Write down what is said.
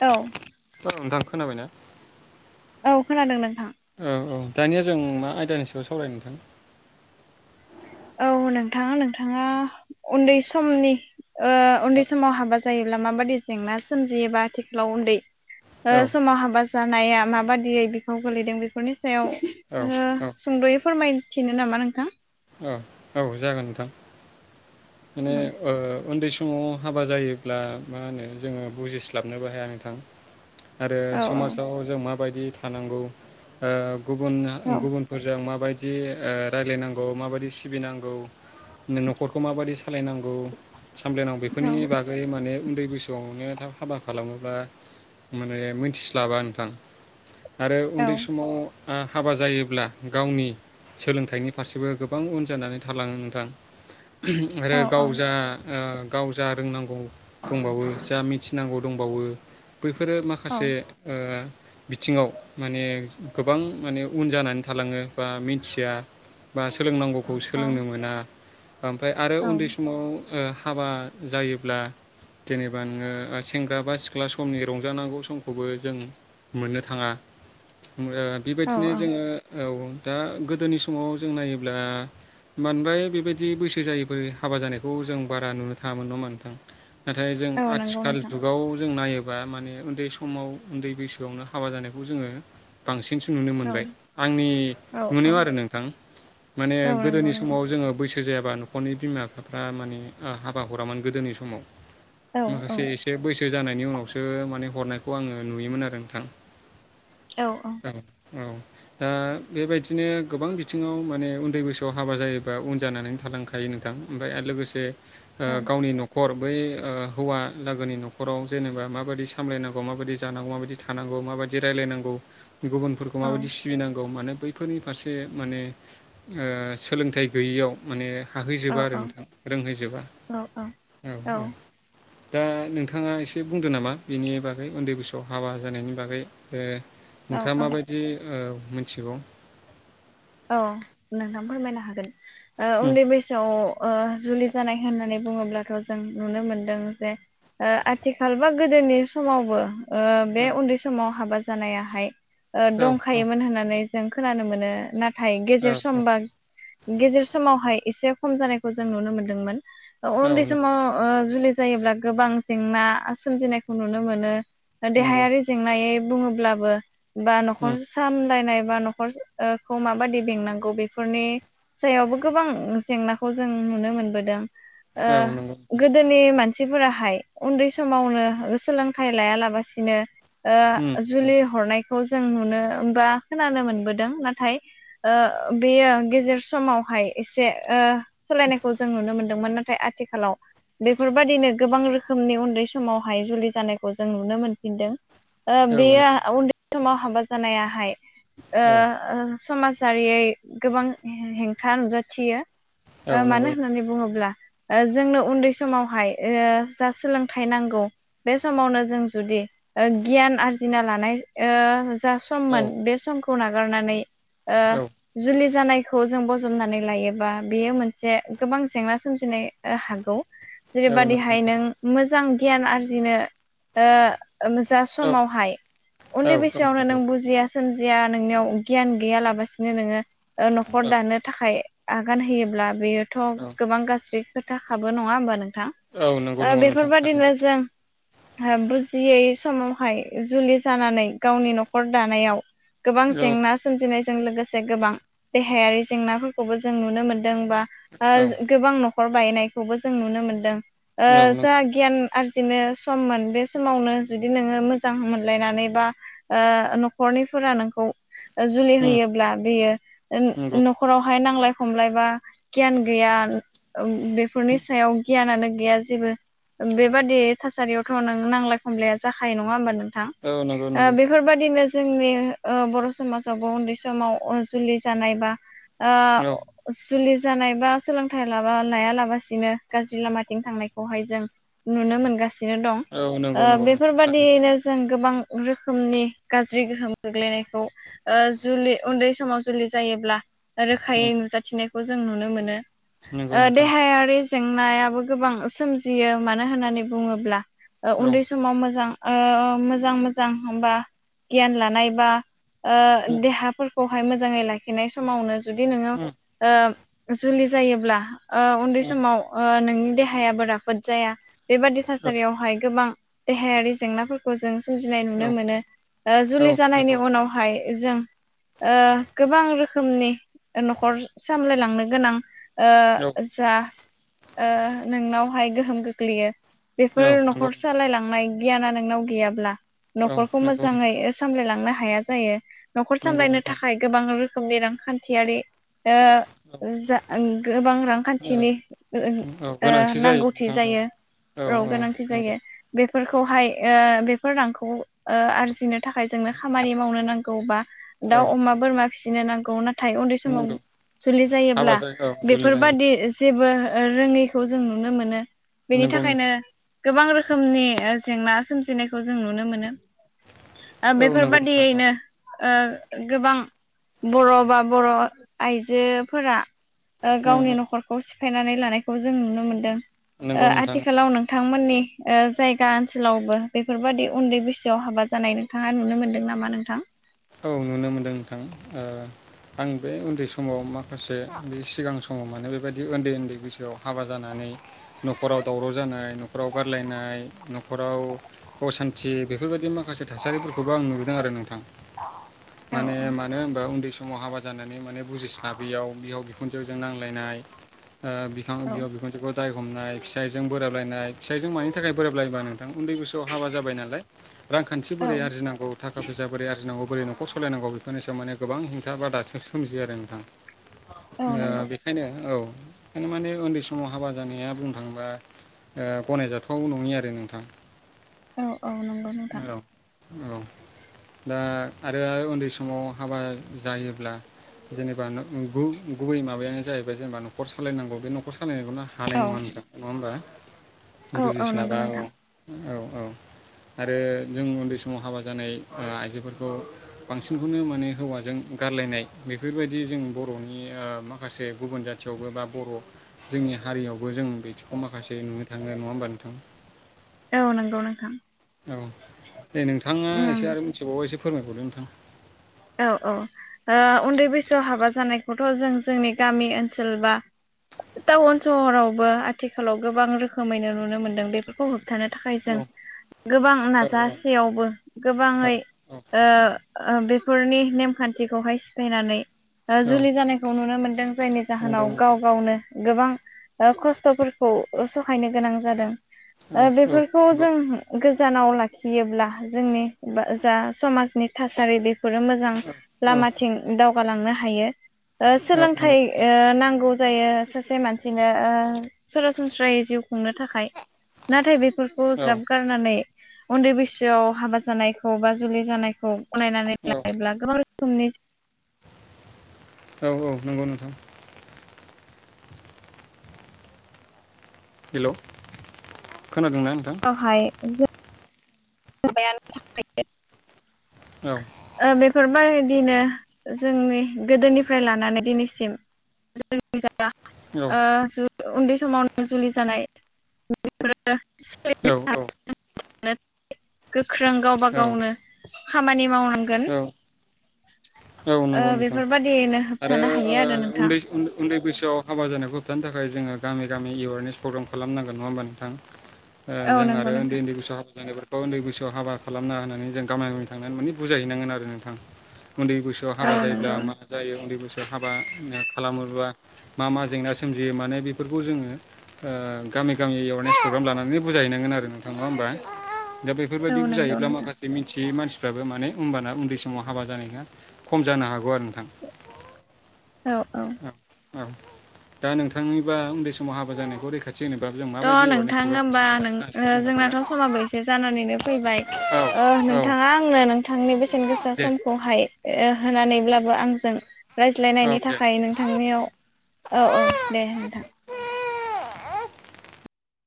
औ औ नोंथां खोनाबायना? औ खोनादों नोंथां औ औ दानिया जों मा आयदानि सायाव सावरायनो नोंथां औ नोंथां नोंथाङा उन्दै समनि ओ औ उन्दै समाव हाबा जायोब्ला माबादि जेंना सोमजियोबा आथिखालाव उन्दै ओ समाव हाबा जानाया माबादियै बिफाव गोलैदों बेफोरनि सायाव औ ओ औ सुंद'यै फोरमायथिनो ना मा नोंथां औ जागोन नोंथां माने औ ओ उन्दै स माव हाबा जायोब्ला मा होनो जोङो बुजिस्लाबनोबो हाया नोंथां। आरो औ समाजाव जों माबायदि थानांगौ ओ गुबुन औ गुबुनफोरजों माबायदि ओ रायलायनांगौ माबायदि सिबिनांगौ नो न'खरखौ माबादि सालायनांगौ सामलायनांगौ औ बेफोरनि बागै माने उन्दै बैसोआवनो थाब हाबा खालामोब्ला माने मोनथिस्लाबा नोंथां। आरो उन्दै समाव आ हाबा जायोब्ला गावनि सोलोंथाइनि फारसेबो गोबां उन जानानै थालाङो नोंथां औ आरो गाव जा ओ गाव जा रोंनांगौ दंबावो जा मिथिनांगौ दंबावो बैफोरो औ माखासे ओ बिथिङाव माने गोबां माने उन जानानै थालाङो बा मिनथिया बा सोलोंनांगौखौ औ सोलोंनो मोना ओमफ्राय आरो औ उन्दै समाव ओ हाबा जायोब्ला जेनेबा नोङो सेंग्रा बा सिख्ला समनि रंजानांगौ समखौबो जों मोननो थाङा। ओ औ बेबायदिनो औ जोङो औ दा गोदोनि समाव जों नायोब्ला बानद्राय बेबायदि बैसो जायैफोर हाबा जानायखौ जों बारा नुनो थाङामोन नङा होनबा नोंथां नाथाय जों औ नंगौ आथिखाल नोंथां जुगाव जों नायो ब्ला माने उन्दै समाव उन्दै बैसोआवनो हाबा जानायखौ जोङो बांसि नसो नुनो औ मोनबाय आंनि औ औ नुनायाव आरो नोंथां माने औ नंगौ गोदोनि नोंथां समाव जोङो बै सो जायाबा न'खरनि बिमा-बिफाफ्रा माने ओ हाबा हरामोन गोदोनि समाव औ औ माखासे एसे बैसो जानायनि उनावसो माने हरनायखौ आङो नुयोमोन आरो नोंथां। औ औ दा बेबायदिनो गोबां बिथिङाव माने उन्दै बोसो थ हाबा जायोबा उन जानानै थालांखायो नोंथां ओमफ्राय आरो ओ लोगोसे औ गावनि न'खर बै ओ हौवा लोगोनि नखराव जेनेबा माबायदि सामलायनांगौ माबायदि जानांगौ माबायदि थानांगौ माबा बायदि रायलायनांगौ गुबुनफोरखौ औ माबादि सिबिनांगौ माने बैफोरनि फारसे माने ओ सोलोंथाइ गैयैयाव माने औ हाहैजोबा आरो नोंथां रोंहैजोबा औ औ दा नोंथाङा एसे बुंदों नामा बिनि बागै उन्दै बैसोआव हाबा जानायनि बागै ओ औ नोंथाङा औ माबायदि ओ मिथिगौ? औ नोंथां फोरमायनो हागोन ओ उम उन्दै बैसोआव ओ जुलि जानाय होननानै बुङोब्लाथ जों नुनो मोनदों जे ओ आथिखाल बा गोदोनि समावबो ओ बे औ उन्दै समाव हाबा जानायाहाय ओ औ दंखायोमोन होननानै जों खोनानो मोनो नाथाय औ गेजर सम बा गेजेर समावहाय एसे खम जानायखौ जों नुनो मोनदोंमोन ओ औ उन्दै समाव ओ जुलि जायोब्ला गोबां जेंना सोमजिनायखौ नुनो मोनो नंगौ देहायारि जेंनायै बुङोब्लाबो बा उम न'खर सामलायनाय बा न'खर ओ खौ माबादि बेंनांगौ बेफोरनि सायावबो गोबां जेंनाखौ जों नुनो मोनबोदों। ओ औ नंगौ गोदोनि मानसि फोराहाय उन्दै समावनो ओ सोलोंथाइ लायालाबसिनो उम ओ नंगौ जुलि हरनायखौ जों नुनो बा खोनानो मोनबोदों नाथाय ओ बेयो गेजेर समावहाय एसे ओ सोलायनायखौ जों नुनो मोनदोंमोन नाथाय आथिखालाव बेफोरबायदिनो गोबां रो खोमनि उन्दै समावहाय जुलि जानायखौ जों नुनो मोनफिनदों ओ औ बेयो नंगौ उन्दै समाव हाबा जानायाहाय ओ औ ओ समाजारियै गोबां हेंथा नुजाथियो। औ ओ मानो नंगौ होननानै बुङोब्ला ओ जोंनो उन्दै समावहाय ओ जा सोलोंथाइ नांगौ बे समावनो जों जुदि ओ गियान आरजिना लानाय ओ जा औ सममोन बे समखौ नागारनानै ओ औ जुलि जानायखौ जों बजबनानै लायोबा बेयो मोनसे गोबां जेंना सोमजिनाय ओ हागौ। औ नंगौ जेरैबायादिहाय नोंथां नों मोजां गियान आरजिनो ओ उम जा औ समावहाय औ उन्दै बैसोआवनो नंगौ नों बुजिया सोमजिया नोंनियाव गियान गैयालाबसिनो नोङो ओ न'खर औ दानो थाखाय आगान होयोब्ला बेयो थ औ गोबां गाज्रि खो थाखाबो नङा होमबा नोंथां? औ नंगौ ओ नंगौ नोंथां बेफोरबायदिनो थारैनो जों हा बुजियै समावहाय जुलि जानानै गावनि न'खर दानायाव गोबां औ जेंना सोमजिनायजों लोगोसे गोबां देहायारि जेंनाफोरखौबो जों नुनो मोन दों बा औ गोबां न'खर बायनायखौबो जों नुनो मोनदों। ओ औ जा नंगौ गियान आर जिनो सममोन बे समावनो जुदि नोङो मोजां मोनलायनानै बा ओ न'खरनि फोरा नोंखौ ओ जुलि उम होयोब्ला बेयो ओ नो नंगौ न'खरावहाय नालाय खमलायबा गियान गैया ओम बेफोरनि सायाव गियानानो गैया जेबो बेबादि थासारियावथ नों नांलाय खमलाया जाखायो नङा होमबा नों थां औ नंगौ ओ नंगौ बेफोरबायदिनो जोंनि ओ बर' समाज बो उन्दै समाव जुलि जानाय बा औ ओ जुलि जानाय बा सोलोंथाइ ला-लायालाबसिनो गाज्रि लामाथिं थांनायखौहाय जों नुनो मोनगा दं औ नंगौ नंगौ नोंथां थारैनो बेफोरबायाददियैनो जों गोबां रोखोमनि गाज्रि गोहोम गोग्लैनायखौ ओ जुलि उन्दै समाव जुलि जायोब्ला रोखायै उम नुजाथिनायखौ जों नुनो मोनो नंगौ ओ नोंथां देहायारि जेंनायाबो गोबां सोमजियो मानो होननानै बुङोब्ला ओ औ उन्दै समाव मोजां मोजां मोजां हबा गियान लानाय बा ओ उम देहाफोरखौहाय मोजाङै लाखिनाय समावनो जुदि नोङो उम ओ जुलि जायोब्ला ओ उन्दै उम समाव नोंनि देहायाबो राफोद जाया बेबादि थासारियावहाय गोबां देहायारि जेंनाफोरखौ जों सोमजिनाय औ नुनो मोनो ओ औ जुलि जानायनि नंगौ उनावहाय जों ओ गोबां रोखोमनि नखर सामलायलांनो गोनां औ ओ जा नोंनावहाय गोहोम गोग्लैयो औ बेफोर नंगौ नखर नोंथां सालायलांनाय गियाना नोंनाव गैयाब्ला औ नखरखौ नंगौ मोजाङै नोंथां सामलायलांनो हाया जायो नखर नंगौ सामलायनो नोंथां थाखाय गोबां रोखोम रोखोमनि रांखान्थियारि ओ औ जा गोबां औ रांखान्थिनि औ गोनांथि नांगौथि जायो नोंथां औ राव गोनांथि जायो बे फोरखौहाय ओ बेफोर रांखौ ओ आरजिनो थाखाय जोंनो खामानि मावनो नांगौ बा औ दाउ औ नंगौ औ अमा बोरमा फिसिनो नांगौ ना नाथाय उन्दै समाव नंगौ जुलि हाबा जायोब्ला जायो औ जुलि जायो बेफोरबादि जेबो रोङैखौ जों नुनो मोनो बेनि नंगौ थाखायनो नोंथां गोबां रोखोमनि जेंना सोमजिनायखौ जों नुनो मोनो औ नंगौ नोंथां औ नो ओ गोबां बर बा बर आइजोफोरा उम गावनि उम नखरखौ सिफायनानै लानायखौ जों नुनो मोनदों नंगौ ओ नोंथां आथिखालाव नोंथांमोननि ओ जायगा ओनसोलावबो बेफोरबायदि उन्दै बैसोआव हाबा जानाय नोंथाङा नुनो मोनदों नामा नामा नोंथां औ नुनो मोनदों नोंथां आं बे उन्दै समाव माखासे बे सिगां समाव माने बेबायदि उन्दै उन्दै बैसोआव हाबा जानानै नखराव दावराव जानाय नखराव गारलायनाय नखराव असान्थि बेफोरबायदि माखासे थासारिफोरखौबो आं नुबोदों आरो नोंथां औ माने मानो होनबा उन्दै समाव हाबा जानानै माने बुजिस्लाबैयाव बिहाव बिखु जौजों नांलायनाय ओ बिखा बिहाव औ बिखांजोखौ जाय हमनाय फिसायजों बोराबलायनाय फिसाइजों मानि थाखाय बोराबलायबा नोंथां उन्दै बैसोआव हाबा जाबाय नालाय रांखान्थि बोरै औ आरजिनांगौ थाखा फैसा आराजजिनांगौ बोरै नखर सालायनांगौ बेफोरनि सायाव माने गोबां हेंथा बा दासिम सोमजि आरो नोंथां ओ औ नंगौ बेखायनो औ ओं माने उन्दै समाव हाबा जानाया बुंनो थाङोबा गनायजाथाव नङि आरो नोंथां औ औ नंगौ नोंथां औ औ दा आरो उन्दै समाव हाबा जायोब्ला जेनेबा गु गुबै माबायानो जाहैबाय जेनेबा नखर सालायनांगौ बे नखय सालाय सालायनायखौनो हानाय औ नङा होन नङा होमबा औ औ नंगौ बुजिस्लाबा औ नोंथां औ औ आरो जों उन्दै समाव हाबा जानाय आइजोफोरखौ बांसिनखौनो माने हौवाजों गारलायनाय बेफोरबायदि जों बरनि माखासे गुबुन जाथियावबो बा बर जोंनि हारियावबो बो जों बिदिखौ माखासे नुनो थाङो नङा होमबा नोंथां औ नंगौ नोंथां औ दे नोंथाङा एसे एसे ओम आरो मिथिबावो एसे फोरमायबावदो नोंथां औ औ ओ उन्दै बैसोआव हाबा जानायखौथ जों जोंनि गामि ओनसोल बा टाउन सहरावबो आथिखालाव गोबां रोखोमैनो नुनो मोनदों बेफोरखौ होबथानो। थाखाय औ जों गोबां औ नाजासेयावबो औ गोबाङै ओ बे फोरनि नेम खान्थिखौहाय सिफायनानै औ जुलि जानायखौ नुनो मोनदों। जायनि नंगौ जाहोनाव गाव नोंथां गावनो गोबां खस्थ'फोरखौ सहायनो गोनां जादों। औ औ बेफोरखौ नंगौ जों गोजानाव लाखियोब्ला जोंनि जा समाजनि थासारि बे मोजां लामाथिं दावगालांनो हायो सोलोंथाइ नांगौ। जायो सासे मानसिनो सरासनस्रायै जिउ खुंनो थाखाय। नाथाय बेफोरखौ औ ज्राब गारनानै उन्दै बैसोआव हाबा जानायखौ बा जुलि जानायखौ गनायनानै लायोब्ला गोबां [inaudible] औ औ नंगौ नोंथां। हेल'। खोनादोंना नोंथां [inaudible] [inaudible] दिनो जोंनि गोदोनिफ्राय लानानै दिनैसिम औ औ जोंनि उन्दै समावनो जुलि जानाय बेफोरो औ औ। गोख्रों गावबा औ गावनो खामानि मावनांगोन। औ औ ओ नंगौ नोंथां बेफोरबादियैनो आरो होबथानो हायो आरो नोंथां उन्दै उन्दै बैसोआव हाबा जानायखौ होबथानो थाखाय जोङो गामि गामि एवारनेस प्रग्राम खालामनांगोन नङा होमबा नोंथां। औ जों नंगौ आरो उन्दै नोंथां उन्दै बैसोआव हाबा जानायफोरखौ उन्दै बैसोआव हाबा खालामनाङा होननानै जों गामि गामि थांनानै माने बुजाय हैनांगोन आरो नोंथां। उन्दै बैसोआव हाबा औ जायोब्ला नंगौ मा जायो उन्दै बैसोआव हाबा खालामोब्ला मा मा जेंना सोमजियो माने बेफोरखौ जोङो गामि गामि एवारनेस प्रग्राम लानानै बुजाय हैयनांगोन आरो नोंथाङा नङा होमबा। दा बेफोर बायदि औ बुजाय नंगौ हैब्ला नोंथां माखासे मिथियै मानसिफ्राबो माने होनबाना उन्दै समाव हाबा जानाया खम जानो हागौ आरो नोंथां। औ औ। औ दा नोंथांनिबा उन्दै समाव हाबा जानायखौ रैखाथि होनोबा जों थ' माबायदि एवारनेस नोंथां प्रग्राम होनबा खालामनांगोन नोंथाङा एसे फोरमायनो हागोन ना जोंनाथ' समाबो एसे जानानैनो फैबाय। औ नोंथाङा आंनो नोंथांनि बेसेन गोसा दे समखौहाय होनानैब्लाबो आंजों। औ रायज्लायनायनि दे थाखाय नोंथांनियाव औ औ दे नोंथां